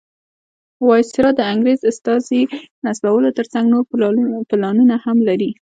وایسرا د انګریز استازي نصبولو تر څنګ نور پلانونه هم لري.